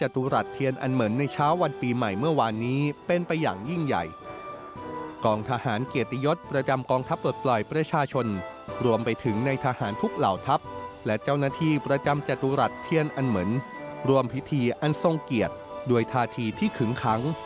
ติดตามจากรายงานครับ